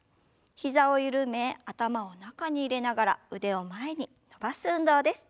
膝を緩め頭を中に入れながら腕を前に伸ばす運動です。